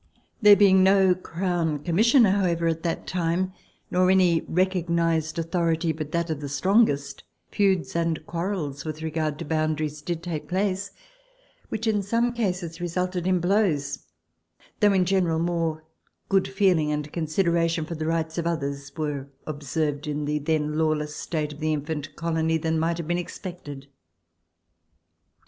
There being no Crown Commissioner, however, at that time, nor any recognised authority but that of the strongest, feuds and quarrels with regard to boundaries did take place, which in some cases resulted in blows, though in general more good feeling and consideration for the rights of others were observed in the then lawless state of the infant colony than might have been expected.